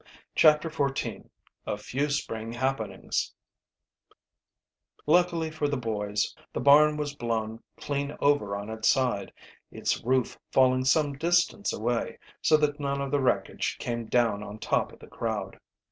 CHAPTER XIV A FEW SPRING HAPPENINGS Luckily for the boys the barn was blown clean over on its side, its roof falling some distance away, so that none of the wreckage came down on top of the crowd.